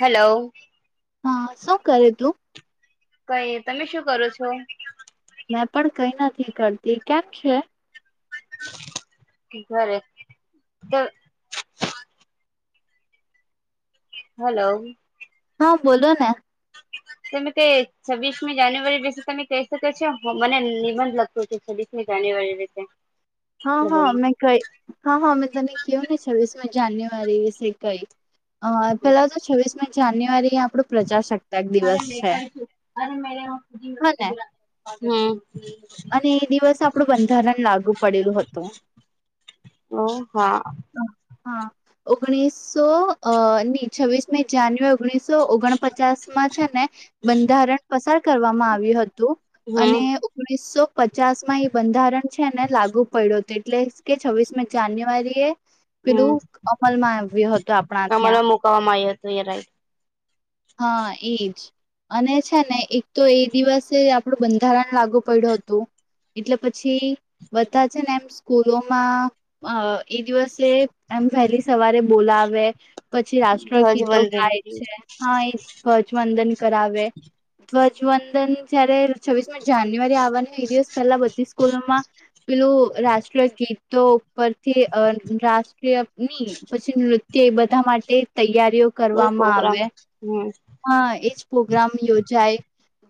Hello. હા, શું કરે તું? કઈ, તમે શું કરો છો? મેં પણ કઈ નથી કરતી. કેમ છે? સ્પીકરે તો હલો હા બોલો ને તમે કે છવીસમી જાન્યુઆરી વિશે તમે કહી શકો છો મને નિબંધ લખતો છે છવ્વીસમી જાન્યુઆરી વિશે હા હા મેં કઈ હા હા મેં તને કેવું ને છવીસ આ જાન્યુઆરી વિશે કઈ અ પેલા તો છવ્વીસ મી જાન્યુઆરી એ આપણો પ્રજાસત્તાક દિવસ છે હ ને હમ્મ અને એ દિવસ આપણું બંધારણ લાગુ પડેલું હતું. ઓ હા હા ઓગણીસો અ ની છવ્વીસમી જાન્યુ ઓગણીસો ઓગણપચાસમાં છે ને બંધારણ પસાર કરવામાં આવ્યું હતું અને હમ ઓ ઓગણીસો પચાસમાં એ બંધારણ છે ને લાગુ પડ્યો તે એટલેશ કે છવીસમી જાન્યુઆરીએ હમ પેલું અમલમાં આવ્યો હતો આપણા ત્યાં અમારા [unintelligible] હા, એજ અને છે ને એક તો એ દિવસે આપણું બંધારણ લાગુ પડ્યું હતું, એટલે પછી બધા છે ને એમ સ્કૂલોમાં એ અ દિવસે એમ વહેલી સવારે બોલાવે. પછી રાષ્ટ્ર ગીતો ગાય છે. હા એ ધ્વજવંદન. કરાવે ધ્વજવંદન જયારે છવ્વીસમી જાન્યુઆરી આવવાનું. એક દિવસ પહેલા બધી સ્કૂલોમાં પેલું રાષ્ટ્રીયગીતો ઉપરથી અ રાષ્ટ્રીય ની પછી નૃત્ય એ બધા માટે તૈયાર. કરવામાં આવે. હમ્મ હા એજ પ્રોગ્રામ યોજાય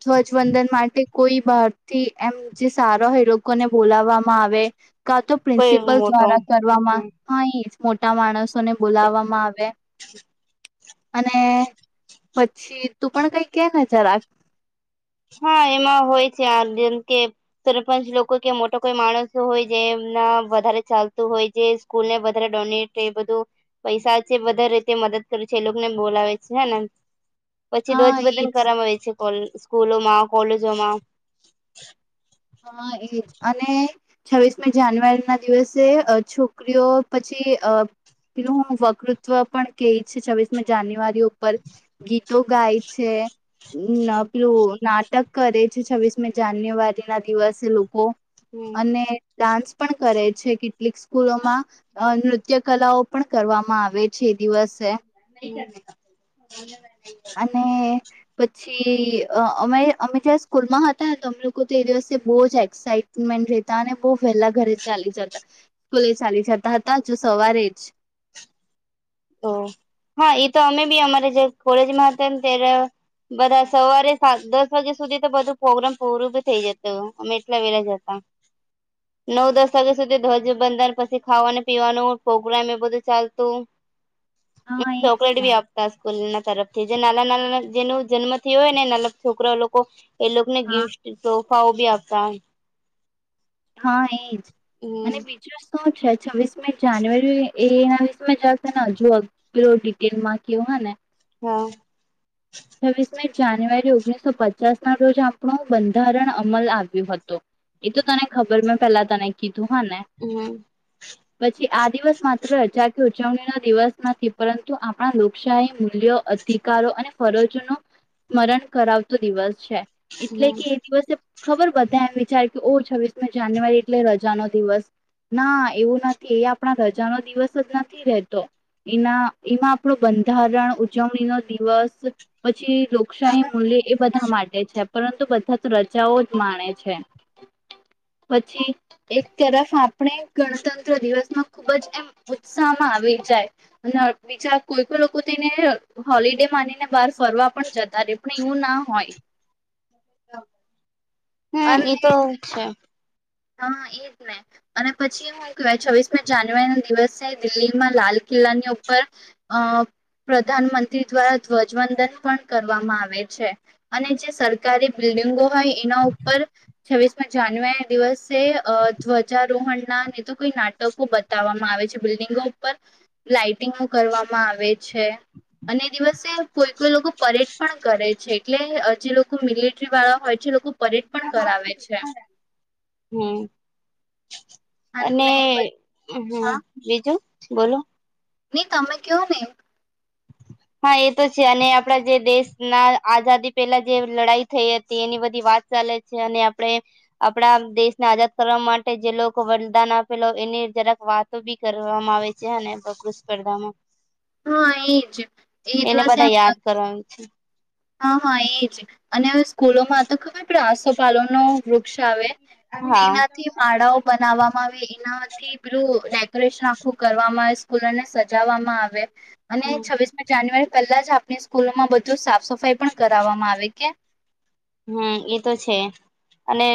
ધ્વજવંદન માટે કોઈ બહાર થી એમ જે સારોહોયે એ લોકોને બોલાવવામાં આવે. કા તો કોઈ પ્રિન્સિપલ મોટો દ્વારા કરવામાં હા એજ મોટા માણસ. ને બોલાવવામાં આવે. અને. પછી તું પણ કંઈ કે જરાક. હા, એમાં હોય છે આ જેમ કે સરપંચ લોકો કે મોટા કોઈ માણસો હોય જે એમના વધારે ચાલતું હોય જે સ્કૂલને વધારે ડોનેટ એ બધું પૈસા છે વધારે રીતે મદદ કરે છે એ લોકોને બોલાવે છે હે. પછી હા ધ્વજવંદન એજ કરવામાં આવે છે. ઓલ. સ્કૂલોમાં- કોલેજોમાં. હા, એજ અને. છવ્વીસમી જાન્યુઆરી ના દિવસે છોકરીઓ, પછી અ પલું હું વકતૃત્વ પણ કહી છે. છવ્વીસમી જાન્યુઆરી ઉપર ગીતો ગાય છે. લ વાયુ નાટક. કરે છે છવ્વીસ મી જાન્યુઆરી. ના દિવસે લોકો. અને ડાન્સ પણ કરે. છે કે. કે સ્કૂલોમાં નૃત્ય. નૃત્ય કલાઓ પણ કરવામાં આવે છે, એ દિવસે. [unintelligible] અને. પછી અમે અમે ત્યા સ્કૂલમાં હતા, તો અમે લોકો તો એ દિવસે બહુ જ એક્સઇટમેન્ટ રહેતા અને બહુ વહેલા ઘરે ચાલી જતા, સ્કૂલે ચાલી જતા હતા, જો સવારે જ. ઓ હા, એ તો અમે બી અમારે જે કોલેજમાં હતા ને ત્યારે બધા સવારે સાત દસ વાગ્યા સુધી તો બધું પ્રોગ્રામ પૂરું બી થઈ જતું. અમે એટલા વહેલા જતા. નવ-દસ વાગ્યા સુધી ધ્વજ બંધન પછી ખાવાનું-પીવાનું પ્રોગ્રામ એ બધું ચાલતું. હા એજ ચોકલેટ ને ભી આપતા સ્કૂલમાં. તરફથી, જે નાના નાના જેનો જન્મ થી હોય ને નાના છોકરા લોકો. એ લોકોને હા ગિફ્ટ તો. પાવ ભી આપતા. હા એજ અને હમ બીજું અચ્છા છવ્વીસ મે જાન્યુઆરી એ એના વિશવ જશે ને હજુ [unintelligible] થયુ અને હા છવ્વીસ મી જાન્યુઆરી ઓગણીસો પચાસ ના રોજ આપણો બંધારણ અમલ આવ્યો હતો એ તો તને ખબર મેં પેલા તને કીધું હા ને હમ પછી આ દિવસ માત્ર હજાર ઉજવણી ના દિવસ નથી પરંતુ આપણા લોકશાહી લીઓ અધિકારો અને ફરોજો નું સ્મરણ કરાવતો દિવસ છે એટલે હમ કે એ દિવસે ખબર બધા એમ વિચાર કે ઓ છવ્વીસમી જાન્યુઆરી એટલે રજા નો દિવસ ના એવું નથી એ આપણા રજાનો દિવસ જ નથી રતો એના એમાં આપણો બંધારણ ઉજવણી નો દિવસ જે લોકશાહી મૂલ્ય એ બધા માટે છે પરંતુ બધા તો રજાઓ જ માણે છે પછી એક તરફ આપણે ગણતંત્ર દિવસમાં ખુબ જ એમ ઉત્સાહમાં આવી જાય અને બીજા કોઈ લોકો તેને હોલિડે માનીને બાર ફરવા પણ જતા રે પણ એવું ના હોય [unintelligible] હમ અને એ તો છે હા એ જ નહી અને પછી હું કવાય છવ્વીસમી જાન્યુઆરી ના દિવસે દિલ્હીમાં લાલ કિલ્લાની ઉપર અ પ્રધાનમંત્રી દ્વારા ધ્વજવંદન પણ કરવામાં આવે છે અને જે સરકારી બિલ્ડિંગો ભાઈ એના ઉપર છવ્વીસ માં જાન્યુઆરી દિવસ તે ધ્વજારોહણ ના ને તો કોઈ નાટકો બતાવવામાં આવે છે બિલ્ડિંગો ઉપર લાાઈટિંગો કરવામાં આવે છે અને દિવસે કોઈ કોઈ લોકો પરેડ પણ કરે છે એટલે જે લોકો મિલિ મીલેટરી વાળા હોય છે એ લોકો પરેડ પણ કરાવે છે. હમ અને હા હમ્મ બીજું બોલો નહી તમે કેવને હા એ તો છે અને આપણા જે દેશના આઝાદી પહેલા જે લડાઈ થઈ હતી એની બધી વાત ચાલે છે અને આપણે આપણા દેશને આઝાદ કરવા માટે જે લોકો વરદાન આપેલો એની જરાક વાતો બી કરવામાં આવે છે હને વકૃત સ્પર્ધામાં હા એજ એ એને દિવસે એમ બધા યાદ કરવાનું છે હા હા એજ અને કુલોમાં તો ખબર પેલો આસો પાલોન નો વૃક્ષ આવે હા તેનાથી માળાઓ બનાવામાં માવે એ એના થી પેલું ડેકોરેશન આખું કરવામાં આવે ફૂલોને સજાવવામાં આવે. અને હમ છવ્વીસમી જાન્યુઆરી પેલા જ આપણી સ્કૂલમાં બધું સાફ સફાઈ કાંઈ પણ કરાવવામાં આવે કે હમ્મ એ તો છે અને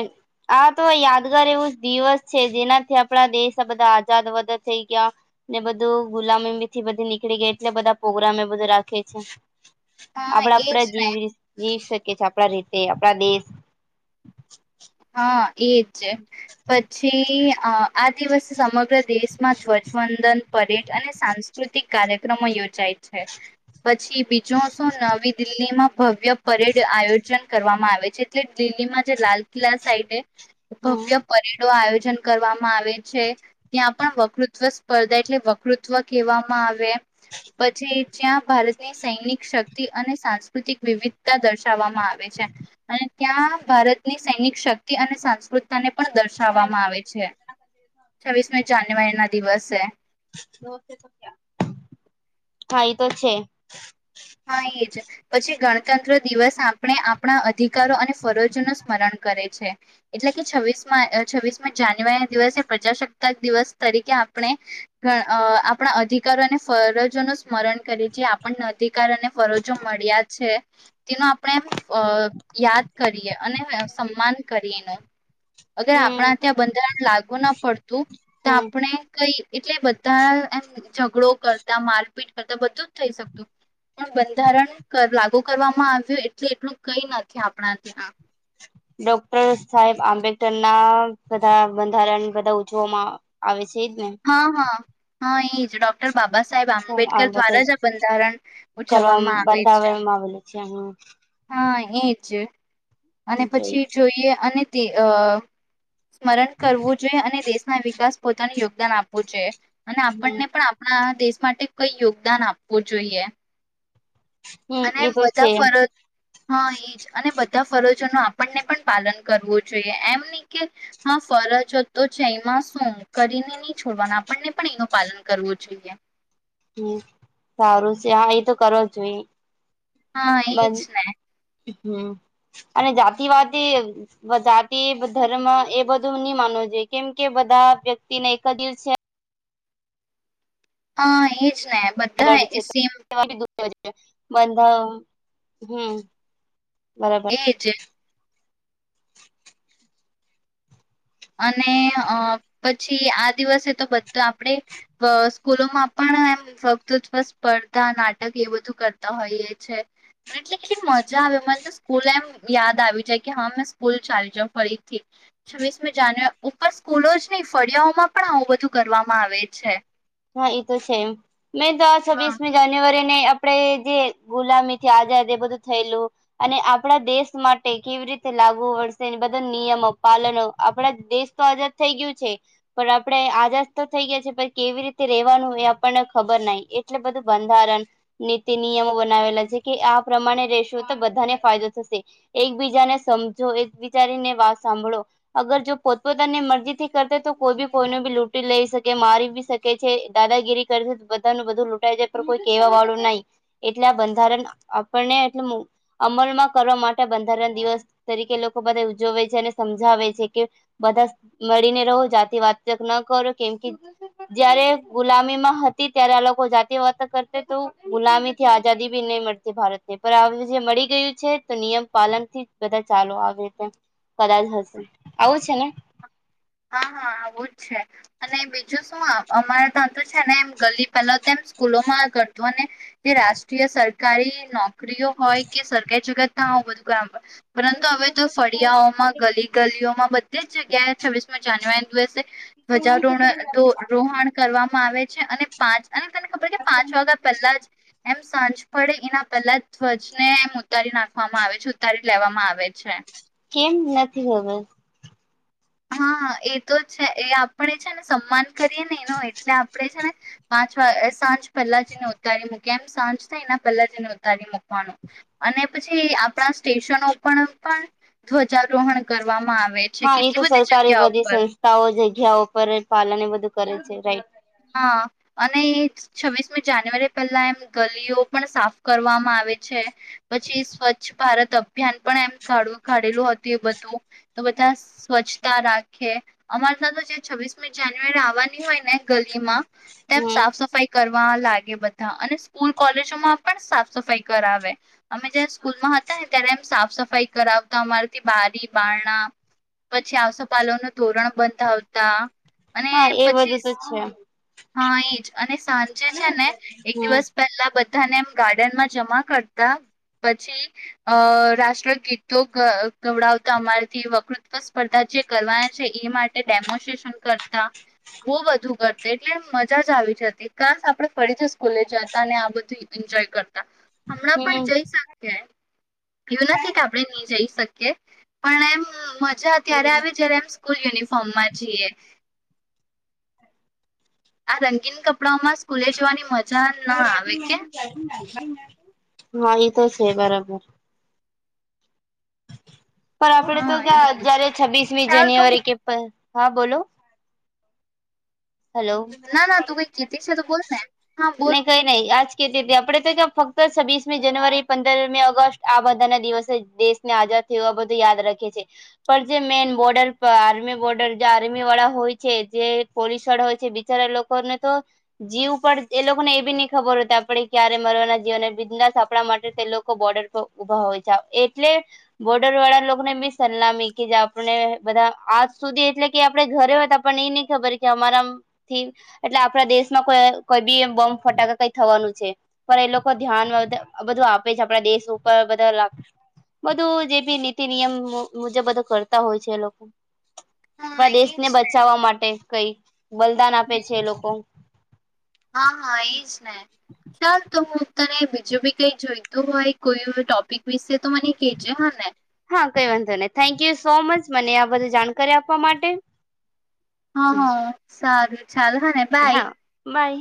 આ તો યાદગાર એવું દિવસ છે જેનાથી આપણા દેશ આ બધા આઝાદ એવા થઈ ગયા ને બધું ગુલામીથી બધી નીકળી ગયા એટલે બધા પોગ્રામને બધું રાખે છે. હા આપડા આપડે એજ ને જીવી જીવી શક કે છે આપણા રી તે આપણા દેશ હ. એજ છે પછી આ આ દિવસે સમગ સમગ્ર દેશમાં ધ્વજવંદન પરેડ અને સાંસ્કૃતિક કાર્યક્રમો યોજાય છે બધ પછી બીજોશુ નવી દિલ્હીમાં ભવ્ય પરેડ આયોજન કરવામાં આવે છે એટલે દિલ્હીમાં જે લાલ પેલા સાઈડે હમ ભવ્ય પરેડો આયોજ જન કરવામાં આવે છે ત્યાં પણ વકૃત્વ સ્પર્ધા એટલે વકૃત્વ કહેવામાં આવે પછી જ્યાં ભારતની સૈનિક શક્તિ અને સાંસ્કૃતિક વિવિધતા દર્શાવવામાં આવે છે અને ત્યાં ભારત ની સૈનિક શક્તિ અને સંસ્કૃતતાને પણ દર્શાવવામાં આવે છે છવ્વીસમી જાન્યુઆરી ના દિવસે હા ઈ તો છે. હા એ જ પછી ગણતંત્ર દિવસ આપણે આપણા અધિકારો અને ફરજોનું સ્મરણ કરે છે એટલે કે છવ્વીસમા છવ્વીસમી જાન્યુઆરી ના દિવસે પ્રજાસત્તાક દિવસ તરીકે આપણે અ આપણા અધિકારો અને ફરજોનું સ્મરણ કરીએ છેએ જે આપણ કાર અને ફરજો મળ્યા છે. તેનો આપણે અ યાદ કરીએ અને સન્માન કરીનો અગર હમ આપણા ત્યાં બંધારણ લાગુ ના પડતું તો હમ આપણે કઈ એટલે બધા એમ ઝઘડો કરતા મારપીટ કરતા બધું જ થઈ શકતું. પણ બંધારણ કર લાગુ કરવામાં આવ્યું એટલું એટલું કઈ નથી આપણા ત્યાં. ડોક્ટર સાહેબ આંબેડકર ના બધા બંધારણ બધા ઉજવવામાં આવે છે. એજ ને હ હ. હા એજ ડોક્ટર બાબા સાહેબ કરવા આંબેડકર દ્વારા જ આ બંધારણ ઉજવવામાં આવે છે બંધાવવામાં આવેલું છે હા. એ જ. અને જોઈ પછી જોઈએ અને તે અ. સ્મરણ કરવું જોઈએ અને દેશના વિકાસ પોતાની યોગ ાન આપવું છે અને આપણને પણ આપણા દેશ માટે કઈ યોગદાન આપવું જોઈએ હમ અને એ એમ તો બધા છે ફરજ હા એજ અને બધા બધા ફરજો ન આપણને પણ પાલન કરવું જોઈએ એમ નહી કે હા ફરજો તો છે એમાં શું કરીને નહી છોડવાનું આપણને પણ એનું પાલન કરવું જોઈએ હમ સારું છે હા એ તો કરો જો હા એજ હમ અને જાતિવાદી જાતિ ધર્મ એ બધું નહી માનવું જોઈએ કેમ કે બધા વ્યક્તિને એક દિવ છે હા એ ને બધા બ્લડ એ સમ છે બંધા હમ બરાબર એજ અને પછી આ દિવસે તો બધા આપણેે સ્કૂલોમાં પણ એમ વકૃત્વ સ્પર્ધા નાટક એ બધું કરતા હોઈએ છે એટલે કેલી મજા આવે મને તો સ્કૂલ એમ યાદ આવી જાય કે હા મેં સ્કૂલ ચાલી જાાવ ફરીથી છ જ ઉપર સ્કૂલો જ નહી ફળિયાઓમાં પણ આવું બધું કરવામાં આવે છે હા એ તો સેમ મેં તો આ હા છીસ જ્યરી આપડણે જે ગુલામી થી આઝાદ એ બધું થયેલું અને આપણા દેશ માટે કેવી રીતે લાગુ વડશે બધા નિયમો પાલનો આપણા દેશ તો આઝાદ થઈ ગયું છે પણ આપણે આઝાદ તો થઈ ગયા છે પણ કેવી રીતે રવાનું એ આપણને ખબર ન એટલે બધું બંધારણ નીતિ નિયમો બનાવેલા છે કે આ પ્રમાણે રશો તો બધાને ફાયદો થશે એકબીજાને સમજો એક બીજારીને વાત સાંભળો અગર જો પોતપોતાની મરજી થી કર તો કોઈ બી કોઈ બી લૂટી લઈ શકે મારીી શકે દાદાગીરી કરે છે બધા નું બધું લૂંટાઈ જાય પણ કોઈ કેહેવા વાળું નહી એટલે આ બંધારણ આપણને એટ અમલમાં કરવા માટે બંધારણ દિવસ તરીકે લોકો બધા ઉજવે છે અને સમજાવે છે કે બધા મળીને રહો જાતી વાતચ ન કરો કેમ કે જયારે ગુલામીમાં હતી ત્યારે આ લોકો જાતિ વાત કરતા તો ગુલામી થી આઝાદી બી નહી મળતી ભારત પણ જે મળી ગયું છે તો નિયમ પાલન થી બધા ચાલુ આવેીતે કદાચ હશે આવું છે ને હા હા આવું જ છે અને બીજું શું અમારે ત તો છે ને એમ ગલી પહેલા તો એમ સ્કૂલોમાં કરતું અને જે રાષ્ટ્રીય સરકારી નોક નોકરી ઓ હોય કે સરકારી જગત [unintelligible] પરંતુ હવે તો ફળિયાઓમાં ગલી ગલીઓમાં બધા તે જગ્યાએ છવ્વીસમમાં જાનુઆરી દિવસે ધ્વજારોણ રોહણ કરવા મા આવે છે અને પાંચ અને તને ખબર કે પાંચ વાગ્યા પહેલા જ એમ સાંજ પડે એના પહેલા ધ્વજ ને એમ ઉતારી નાખવામાં આવે છે ઉતારી લેવામાં આવે છે કેમ નથી ખબર હા એ તો છે એ આપણે છે ને સન્માન કરીએ ને એનો એટલે આપણે છે ને પાંચ વાગ સાંજ પહેલા જને ઉતારી મૂકી એમ સાંજ થાય એના પહેલા જને ઉતારી મૂકવાનું અને પછી આપણા સ્ટેશનો પણ પણ ધ્વજારોહણ કરવામાં આવે છે હા કે તો સરકારારે બધી સંસ્થાઓ જ્યા જ્યાં પર પાલન એ બધું કરે છે રાઈટ હા અને છવિશમી જાન્યુઆરી પહેલા એમ ગલીઓ પણ સાફ કરવામાં આવે છે પછી સ્વચ્છ ભારત અભિયાન પણ એમ કા કાઢેલું હતું એ બધું તો બધા સ્વચ્છતા રાખે અમાર ત તો જે છવ્વીસમી જાન્યુઆરી આવવાની હોય ને ગલીમાં તેમ હમ સાફ સફાઈ કર લાગે બધા અને સ્કૂલ કોલેજોમાં પણ સાફ સફાઈ કરાવે અમે જય સ્કૂલમાં હતા ને ત્યારે એમ સાફ સફાઈ કરાવતા અમારેથી બારી બારણા પછી આસોપાલો નું ધોરણ બંધ આવતા હા એ બધું તો છે હા એજ અને સાંજે છે ને એક હમ દિવસ પહેલા બધા બધાને એમ ગાર્ડનમાં જમા કરતા પછી અ રાષ્ટ્ર ગીતો ગવડાવતા અમારેથી વકૃત્વ સ્પર્ધા જે કરવાના છે એ માટે ડેમોસ્ટ્રેશન કરતા બહ બધું કરતા એટલે મજા જ આવી જ હતી ખાસ આપડે ફરીથી સ્કૂલે જતા અને આ બધું એન્જોય કરતા હમણાં પણ હમ જઈ શક્યે એવું નથી કે આપડણે નહી જઈ શકીએ પણ એમ મ મજા ત્યારે આવે જયારે એમ સ્કૂલ યનિફોર્મ માં જીએ આ રંગીન કપડાઓ માં સ્કૂલે જોવાની મ જાન ના આવે કેમ હ એ તો છે બરાબર પણ આપડે તો હા એજ ક્યાંજ્યારે છવ્વીસમી ચાલ તો જાન્યુઆરી કે પ હા બોલો હલો ના ના તું કઈ કીધું છે તો બોલ ને હા બોલ નહી કઈ નહી આજ આપડે તો કે ફક્ત છવ્વીસમી જાનુઆરી પંદરમી ઓગસ્ટ આ બધા ના દિવસે દેશને આઝાદ થય આ બધું યાદ રાખેી પણ જે મેન બોર્ડર પર આર્મી બોર્ડર જે આર્મી વાળા હોય છે જે પોલીસ હોય છે બિચારા લોકોને તો જીવ પણ એ લોકોને એ બી નહી ખબર હો આપણે ક્યારે મરવાના જીવને બિઝનેસ આપણા માટે તે લોકો બોર્ડર પર ઉભા હોય છે એટલે બોર્ડર વાળા લોકોને બી સલામી કે જે આપણે બધા આજ સુધી એટલે કે આપડે ઘરે હોય તો આપણને એ નહી ખબર કે અમારા થી એટ આપણા દેશમાં કો કોઈ બી બોમ્બ ફટાકા કઈ થવાનું છે પણ એ લોકો ધ્યાન બધું આપે છે આપણા દેશ ઉપર બધા બધું જે બી નીતિ નિયમ મુજબ બધું કરતા હોય છે એ લોકો હા આપણા એજ દેશને બચાવવા માટે કઈ બલિદાન આપે ને છે લોકો હા હા એજ ના ચાલ તો હું તને બીજું બી કઈ જોઈતું હોય કોઈ ટોપિક વિશે તો મને કેજે હા ને હા કઈ વાંધો નહી થેન્કયુ સો મચ મને આ બધી જાણકારી આપવા માટે હા હા સારુ ચાલ હ ને હા બાય બાય